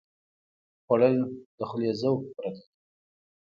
خوړل د خولې ذوق پوره کوي